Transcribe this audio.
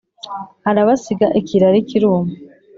Arabasiga ikirari kiruma